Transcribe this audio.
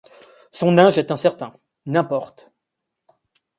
Son âge est incertain, n’importe !